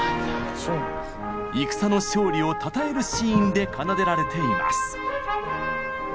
戦の勝利をたたえるシーンで奏でられています。